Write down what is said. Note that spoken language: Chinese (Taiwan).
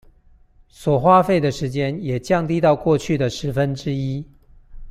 所花費的時間也降低到過去的十分之一